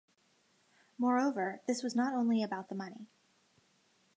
Moreover, this was not only about the money.